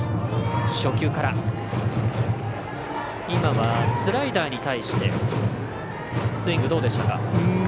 今は、スライダーに対してスイングどうでしたか？